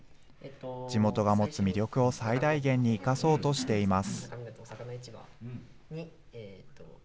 地元が持つ魅力を最大限に生かそうとしています。